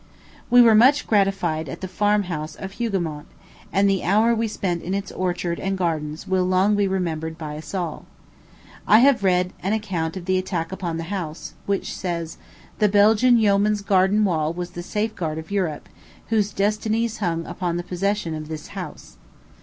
We were much gratified at the farm house of Hougomont; and the hour we spent in its orchard and gardens will long be remembered by us all. I have read an account of the attack upon the house, which says, "The Belgian yeoman's garden wall was the safeguard of Europe, whose destinies hung upon the possession of this house."